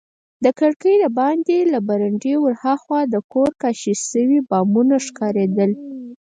د کړکۍ دباندې له برنډې ورهاخوا د کورونو کاشي شوي بامونه ښکارېدل.